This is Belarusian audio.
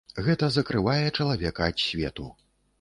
Гэта закрывае чалавека ад свету.